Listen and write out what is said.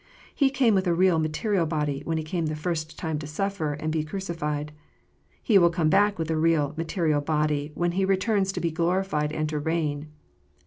He came with a real material body, when He came the first time to surfer and be crucified. He will come back with a real material body, when He returns to be glorified and to reign.